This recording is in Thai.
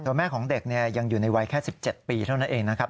แม่ของเด็กยังอยู่ในวัยแค่๑๗ปีเท่านั้นเองนะครับ